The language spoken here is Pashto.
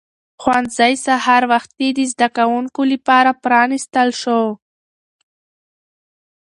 ښوونځی سهار وختي د زده کوونکو لپاره پرانیستل شو